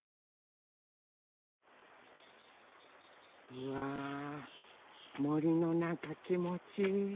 うわもりのなかきもちいい。